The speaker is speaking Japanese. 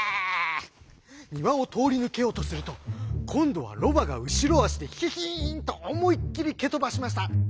庭を通り抜けようとすると今度はロバが後ろ足でヒヒンと思いっきり蹴飛ばしました。